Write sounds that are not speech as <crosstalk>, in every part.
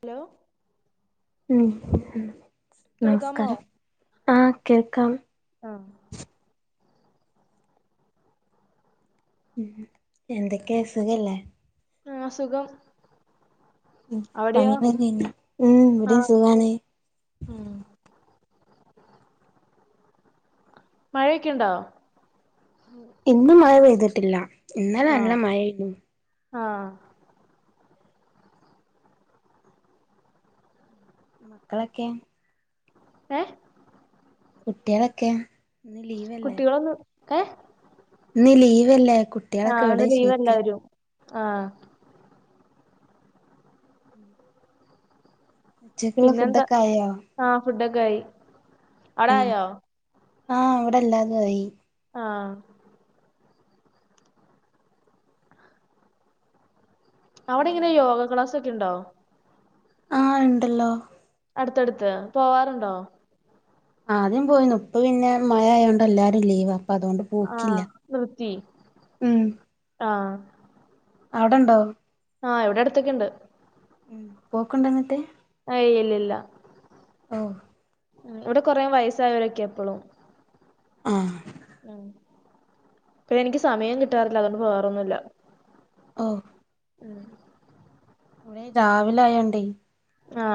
Hello ഉം ഉം നമസ്കാരം ആഹ് കേൾക്കാം ആഹ് ഉം എന്തൊക്കെയാ സുഖല്ലേ ആ സുഖം ഉം അവിടെയോ പണി <unintelligible> ഉം ഇവിടേ സുഖാണ് ആഹ് മഴയൊക്കെയിണ്ടോ ഉം ഇന്ന് മഴ പെയ്തിട്ടില്ല ഇന്നലെ നല്ല മഴയേനു ആഹ് മക്കളൊക്കെ ഏഹ് കുട്ട്യാളെക്കെ കുട്ടികളൊന്നും ഏഹ് ഇന്ന് ലീവല്ലേ കു ആ ഇന്ന് ലീവ് എല്ലാവരും ആഹ് ഉം ഉച്ചക്കുള്ള പിന്നെന്താ ഫുഡൊക്കെ ആയോ ആ ഫുഡൊക്കെ ആയി അവിടെ ഉം ആയോ ആ ഇവിടെ എല്ലാതും ആയി ആഹ് അവിടെ ഇന്ന് ഇങ്ങനെ ലീവാ യോഗ ക്ലാസൊക്കെ ഉണ്ടോ ആഹ് ഇണ്ടല്ലോ അടുത്തടുത്ത് പോവാറുണ്ടോ? ആദ്യം പോയീനു ഇപ്പോ പിന്നെ മയയായോണ്ട് എല്ലാരും ലീവാ അപ്പം അതുകൊണ്ട് ആ പോക്കില്ല ഉം ആഹ് അവിടെണ്ടോ? ആഹ് ഇവിടെ അടുത്തൊക്കെ ഇണ്ട് ഉം പോക്ക്ണ്ട് ഇന്നിട്ട് ഹേ ഇല്ല ഇല്ല ഓഹ് ഇവിടെ കുറെേ വയസായവരൊക്കെയെ ഇപ്പോളും ആഹ് ഇപ്പം എനിക്ക് സമയം കിട്ടാറില്ല അതൊണ്ട് വേറെ ഒന്നുമില്ല ഓഹ് ഉം രാവിലെ ആയതുകൊണ്ട്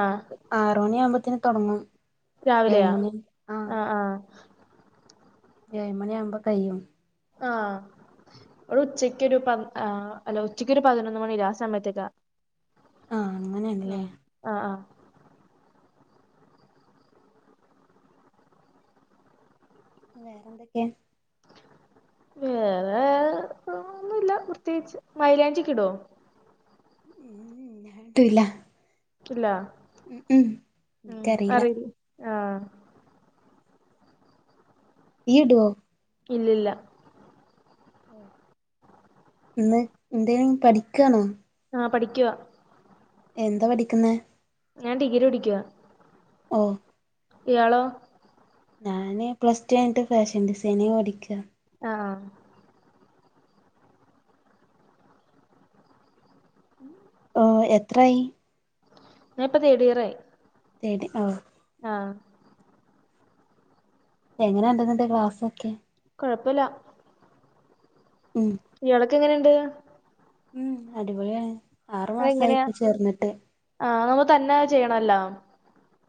ഒരു ആറ് മണിയ ആവുമ്പോഴേക്കും തുടങ്ങും രാവിലെയാ അങ്ങനെ ആഹ് ആഹ് ഏഴ് മണി ആകുബോ കഴിയും ആഹ് ഇവിടെ ഉച്ചക്ക് ഉച്ചക്ക് ഒരു പതിനൊന്ന് മണി ആ സമയത്തേക്കാ ആ അങ്ങനെയല്ലേ ആഹ് ആഹ് അഹ് വേറെ എന്തൊക്കെയാ? വേറെ ഒന്നുമില്ല പ്രത്യേകിച്ച് മൈലാഞ്ചി ഒക്കെ ഇടോ ഉം ഉം ഞാൻ ഇടൂലാ ക്കില്ല ഉം ഉം ഇനിക്ക് അറിയില ആഹ് ഈ ടോ ഇല്ല ല്ല ല്ല ഇന്ന് എന്തെല പഠിക്കണോ ആഹ പഠിക്കുവ എന്താ പഠിക്കുന്ന ഞാൻ ഡിഗ്രി പിടിക്കുവാ ഓ ഇയാളോ ഞാന് പ്ലസ് ടു കഴിഞ്ഞിട്ടോ ഫാഷൻ ഡിസൈനി പഠിക്ക ആഹ ഓ എത്രായി ഞാൻ ഇപ്പൊ തേടിയറായി തേടി ഓ ആ എങ്ങനെയുണ്ട് ക്ലാസ്സൊക്കെ കുഴപ്പല്ല ഉം ഇയള്ളക് യങ്ങന്ന് ഇണ്ട് ഉം അടിപൊളിയാണ് ആറു മാസയി ചേർന്നിട്ട് ആവുമ്പതന്നെ ചെയ്യണല്ലോ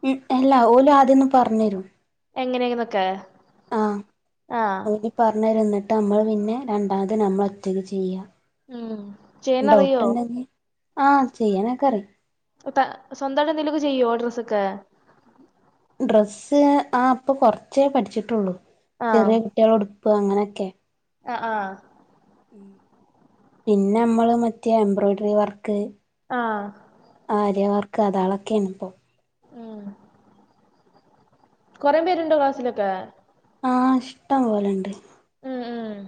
ഉ അല്ല ഓലും ആദ്യംപറന് തരുമ എങ്ങനെയന്നൊക്കെ ആഹ ഓനി പറഞ്ഞരും ന്നിട്ട് നമ്മൾ പിന്നെ രണ്ടാമത് നമ്മൾ ഒറ്റക്ക് ചെയ്യാ ഉം ചെയ്യാനറിയോ ഡൗട്ടുണ്ടെങ്കിൽ ആഹ് ചെയ്യാനൊക്കെ അറിയാം സ്വന്തം ആയിട്ടോ എന്താകിലും ചെയ്യൂ ഡ്രസ്സൊക്കെ <unintelligible> ഉം ഡ്രസ്സ് ആഹ് ഇപ്പ കൊർച്ചേ പഠിച്ചിട്ടൊള്ളു ചെറിയ കുട്ടിയേളുടുപ്പ് അങ്ങനൊക്കെ അഹ് ആഹ് പിന്നെമ്മള് മറ്റേ എംബ്രോയ്ഡറി വർക്ക് ആഹ് ആര്യ വർക്ക് അതാളൊക്കേണ് ഇപ്പം ഉം കുറ പേരുണ്ടോ ക്ലാസിലൊക്ക ആഹ് ഇഷ്ടം പോലെണ്ട് ഉം ഉം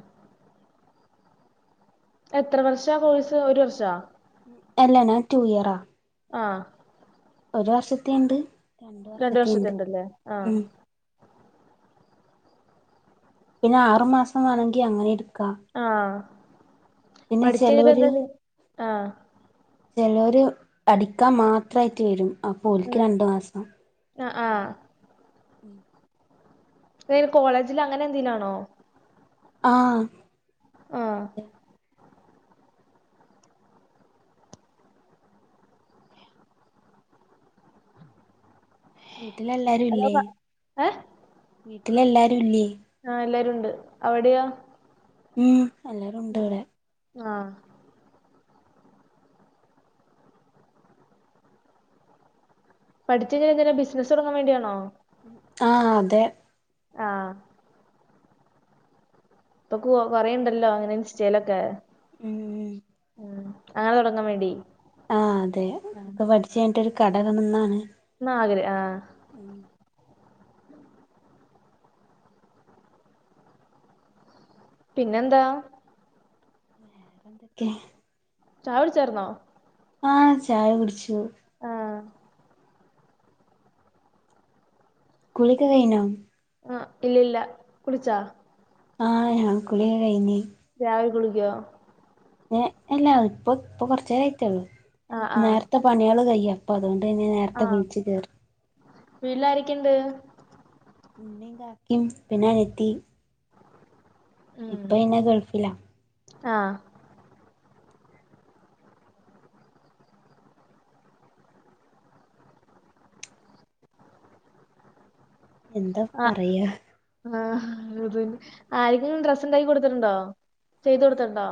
എത്ര വർഷ കോഴ്സ് ഒരു വർഷാ അല്ലഞാൻ ടൂയറാ ആഹ് ഒരു വർഷത്തെയ ഉണ്ട് രണ്ട് വർഷത്തെയ ഉണ്ട് വർഷത്തെണ്ടല്ലേ ആഹ് ഉം പിന്നെ ആറുമാസംവാണാ ങ്കി അങ്ങനെ ടുക് പിന്നെ ആഹ്പഠിച്ച യ്ത് ചെലോര് ന്തേ ആഹ് ചെലോര് അടിക്കാൻ മാത്രായിട്ട് വരും അപ്പോൽക്ക് ഉം രണ്ടു മാസം ആഹ് ആഹ അങ്ങനെ <inaudible> ഇപ്പകോളേജിൽ അങ്ങനെ എന്തിലാണോ ആഹ് ആഹ് അതോ വീട്ടിലെല്ലാരുംല്ലേ, പ ഏഹ് വീട്ടിലെല്ലാരു ല്ല്യേ? ആഹ് എല്ലാരുണ്ട് അവിടെയോ ഉം എല്ലാരും ണ്ട് ഇവടെ ആഹ പഠിച്ചെന് എന്തിന ബിസിനസ് തുടങ്ങൻ വേണ്ടിയണോ? ആഹ് അതെ ആഹ് ഇപ്പൊ കൊറയണ്ടല്ലോ അങ്ങനെ ഇൻ സ്റ്റലൊക്കെ ഉം ഉം അങ്ങനെ തുടങ്ങാൻ വേണ്ടി ആ അതെ ആ ഒക്കെ പ ഠിച്ചു കഴിഞ്ഞ ട്ടൊരു കട ഇടണം എന്നാണ് ന്നാഗ്രാഹ പിന്നെന്താ ഓക്കെ ചായ കുടിച്ചായിരുന്നോ ആഹ് ചായ കുടിച്ചു ആഹ് കുളിക്കെകഴിഞ്ഞോ ആഹ് ഇല്ല ഇല്ല കുളിച്ചാ ആഹ ഞാൻ കുളിഒകെ കയിഞ്ഞ് രാവിലെ കുളിക്കുവോ ഏഹ് അല്ലാ ഇപ്പം ഇപ്പ കൊറച്ചേ ആയിട്ടൊൾ ആഹ് ആഹ് നേരത്തെ പണികള് കയ്യാം ഇപ്പ അതൊണ്ട് തന്നെ നേരത്തേ കുളിച്ചു കേറും വീട്ടിലാരൊക്കേ ഇണ്ട് ഉമ്മേം കാക്കേം പിന്നെ ഞാൻ എത്തി ഉം ഇപ്പ എന്നാ ഗൾഫിലാ ആഹ് എന്താ ആഹ് പറയാ ആഹ് ഇതിന് ഡ്രസ്സ് ഉണ്ടാക്കി കൊടുത്തിട്ടുണ്ടോ ചെയ്തുകൊടുത്തിട്ടുണ്ടോ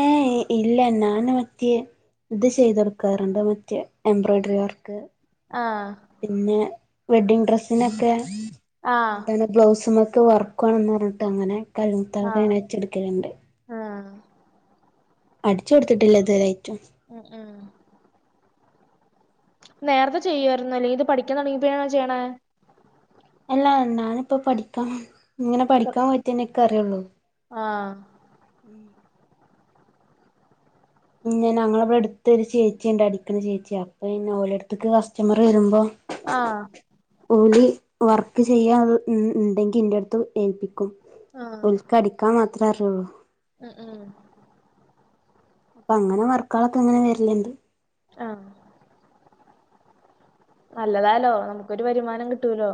ഏഹ ഇല്ല നാനു മതിയെ ഇത് ചെയ്തെടുക്കാറുണ്ടോ മറ്റെ എംബ്രോയ്ഡറി വർക്ക് ആഹ പിന്നെ വെഡിങ് ഡ്രെസ്സിനൊക്കെ ആഹ് എന്താണ് ബ്ലൗസ്മത്തെ വർക്കുവാണന്ന് റഞ്ഞിട്ട്ങ്ങനെ കൽമുത്തവ്ടെ ആഹ് വെച്ചൊട്ക്കലുണ്ട് ആഹ് അടിചൊടുത്തിട്ടില്ല ഇത് വരായിറ്റും അ ആ നേരത്തെ ചെയ്യായിരുന്നു ല്ലോ ഇത് പഠിക്കാ തൊടങ്ങിയപ്പാണോ ചെയ്യണേ അല്ലാ ഞാനിപ്പ പഠിക്കാൻ ഇങ്ങനെ പഠിക്കാൻ പോയിറ്റന്നെക്കറിയൊള്ളു ആഹ ഉം പിന്നെ ഞങ്ങളവിടെടുത്തൊരു ചേച്ചിണ്ട് അടിക്ണ ചേച്ചി അപ്പൊ പിന്നെ ഓലടുത്തക്ക് കസ്റ്റമർ വരുമ്പോ ആഹ ഓലി വർക്ക് ചെയ്യാണ്ടെങ്കി ഇന്റെ അടുത്ത് ഏൽപ്പിക്കും ഓൽക്കടിക്കാൻ മാത്രേ അറിയുള്ളൂ അ ആഹ് അപ്പൊ അങ്ങനെ വർക്കാളൊക്കെ ങ്ങനെ വരിലുണ്ട് ആഹ നല്ലതാലോ നമുക്കൊരു വരുമാനം കിട്ടൂലോ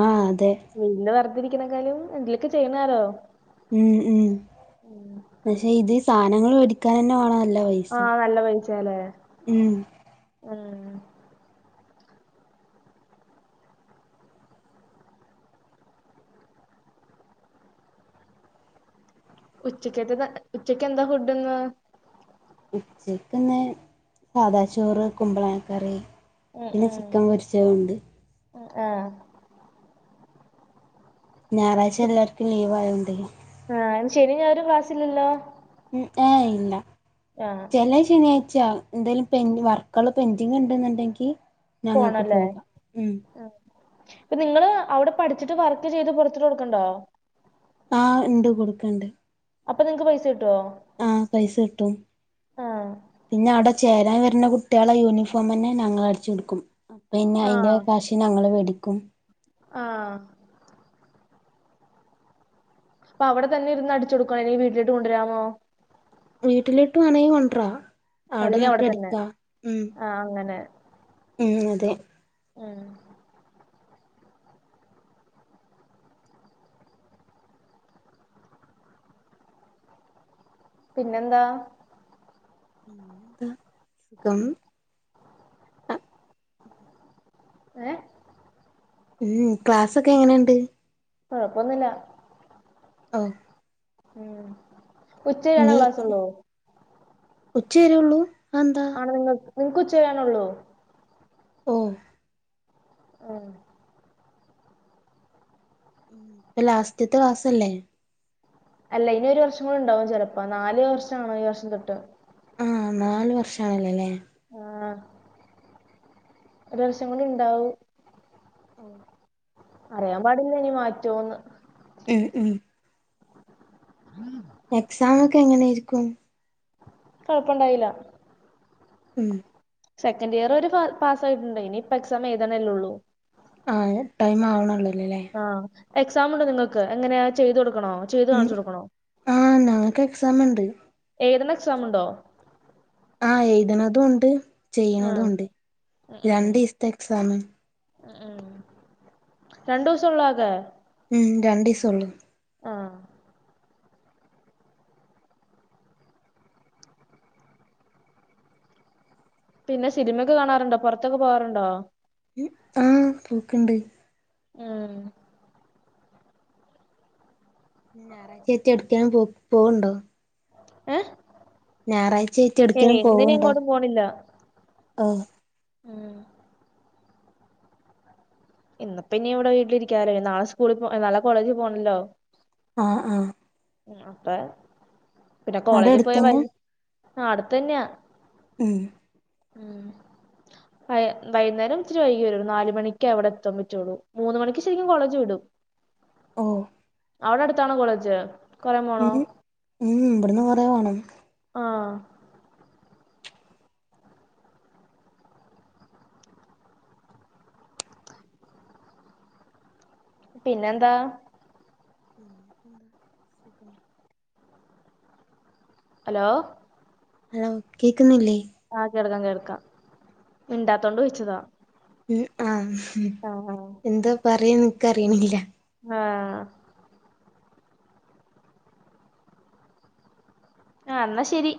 ആഹ് ആഹ അതെ പിന്ന വെർതിരിക്ക്ണേക്കാളും എന്തേലൊക്കെ ചെയ്യണാരോ മ് മ് പക്ഷെ ഇത് സാനങ്ങൾ വേടിക്കാന്നെ വേണം നല്ലപൈ ആഹ നല്ല പൈസെലെ ഉച്ചക്കെതെത് ഉച്ചക്ക് എന്താ ഫുഡ്ന്ന് ഉച്ചക്ക്ന്ന് സാദാചോറ് കുമ്പളങ്ങക്കറി പിന്നെ ചിക്കൻ പൊരിച്ചതുണ്ട് ആഹ് ആഹ് ഞായറാഴ്ച്ച എല്ലാർക്കും ലീവായോണ്ടേ ആഹ് ശനിം ഞായറും ക്ലാസ്സില്ലല്ലോ ഉം ഏഹ് ഇല്ല ആഹ് ചെല ശനിയാഴ്ച്ച എന്തേലും പെന് വർക്കള് പെന്റിങ്ങ് ഇണ്ട് എന്നുണ്ടെങ്കി ഞങ്ങക്ക് പോണല്ലേ പോകാം ഉം ഇപ്പൊ നിങ്ങള് അവിടെ പഠിച്ചിട്ട് വർക്ക് ചെയ്ത് പുറത്തോട്ട് കൊട്ക്കുണ്ടോ ആഹ് ണ്ട് കൊടുക്ക്ണ്ട് അപ്പ നിങ്ങക്ക് പൈസ കിട്ടുവോ ആഹ് പൈസ കിട്ടും ആഹ് പിന്നെ അട ചേരാൻ വരുന്ന കുട്ട്യേളെ യൂണിഫോം തന്നെ ഞങ്ങളടിച്ചു കൊടുക്കും പിന്ന അയിന്റെ ആഹ് കാ ഞങ്ങള് വേടിക്കും ആഹ് അപ്പ അവിടെ തന്നെ ഇര്ന്ന് അടിച്ച് കൊടുക്കാണോ വീട്ടിലോട്ട് കൊണ്ടുവരാമോ വീട്ടിലേട്ട് വേണെങ്കി കൊണ്ഡ്രാ അല്ലെങ്കിൽ അവിടെ അവിടെന്നിട്ടും തന്നെ അടിക്കാ ആഹ് ആഹ് അങ്ങനെ ആഹ് അതെ ആഹ് പിന്നെന്താ ന്താ സുഖം ഏഹ് ഉം ക്ലാസൊക്കെ എങ്ങനെണ്ട് കൊഴപ്പൊന്നുല്ല ഓഹ് ഉം ഉച്ച വരെയാണോ നീ ക്ലാസ് ഉള്ളൂ ഉച്ചരെള്ളൂ അതെന്താ നി നിങ്ങക്ക് ഉച്ചരെള്ളൂ ഓഹ് ആഹ് അപ്പ ലാസ്റ്റിത്തെ ക്ലാസല്ലേ അല്ല ഇനി ഒരു വർഷം കൂടി ഉണ്ടാവും ചിലപ്പോ നാല് വർഷമാണ് ഈ വർഷം തൊട്ട് ആഹ് നാല് വർഷമാണല്ലേ അല്ലേ ആഹ് ഒരു വർഷം കൂടി ഇണ്ടാവും ഓഹ് അറിയാൻ പാടില്ല ഇനി മാറ്റോന്ന് ഉം ഉം ഉം <inaudible> എക്സാം ഒക്കെ എങ്ങനാരിക്കും കൊഴപ്പണ്ടായില്ല ഉം സെക്കൻഡ് ഇയർ വരെ പാസായിട്ടുണ്ട് ഇനി ഇപ്പം എക്സാം എഴ്തണേള്ളൂ ആഹ് ടൈം ആവണോള്ളല്ലേ അല്ലേ ആഹ് എക്സാം ഉണ്ടോ നിങ്ങക്ക് എങ്ങനെയാ ചെയ്ത് കൊടുക്കണോ ചെയ്ത് ഉം കാണിച്ചു കൊടുക്കണോ ആഹ് ഞങ്ങക്ക് എക്സാം ഇണ്ട് എയ്തിണ എക്സാം ഉണ്ടോ ആഹ് എയ്തിണതും ഉണ്ട് ചെയ്യണതും ആഹ് ഉണ്ട് ഉം ഉം രണ്ട്സ്ത്തെ എക്സാം ഉം രണ്ടൂസള്ളോ ആകെ ഉം രണ്ടിസൊള്ളു ആഹ് പിന്നെ സിലിമൊക്കെ കാണാറുണ്ടോ പൊറത്തൊക്കെ പോകാറുണ്ടോ ഉ ആ പോക്ക്‌ണ്ട് ആ ന്ന് ഞാറാഴ്ച്ചായ്റ്റ് എട്ക്കേം പോ പോവ്ണ്ടോ ഏ ഞായറാഴ്ച്ചായ്റ്റ് ഏയ് എവ്ട്ക്കേലും ഇന്നിനി പോവ്ണ്ടോ എങ്ങോട്ടും പോണില്ല ആ ഉം ഇന്നിപ്പോ ഇനി ഇവിടെ വീട്ടിലിരിക്കാലോ നാളെ സ്കൂള് പോ നാളെ കോളേജിൽ പോണല്ലോ ആ ആ അപ്പെ പിന്നെ അവിടെ കോളേജി പോയ വ അടുത്തന്നെ ആ അട്ത്തെന്നാ ഉം ഉം വൈ വൈന്നേരം ഇച്ചിരി വൈകിവരുള്ളു നാല് മണിക്ക വടെ <unintelligible> മൂന്ന് മണിക്ക് ശെരിക്കും കോളേജ് വിടും ഓ അവിടെട്ത്താണോ കോളേജ് കൊറെ പോണോ ഉം ഉം ഇവ്ട്ന്ന് കൊറെ പോണം ആ പിന്നെന്താ പിന്നെപ്പെന്താ സുഖം ഹലോ ഹലോ കേക്ക്‌ന്നില്ലേ ആ കേൾക്കാം കേൾക്കാം മിണ്ടാത്തോണ്ടോയ്ച്ചതാ ഉം ആ എന്താ പറയ ൻക്ക് അറിയിണില്ല ആ ആ ന്നാ ശെരി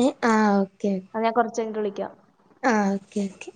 ങേ ആ ഓക്കെ അ ഞാ കൊർച്ചയ്ഞ്ട്ട് വിളിക്കാ ആ ഓക്കെ ഓക്കെ